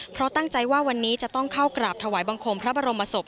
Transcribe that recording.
เพราะตั้งใจว่าวันนี้จะต้องเข้ากราบถวายบังคมพระบรมศพ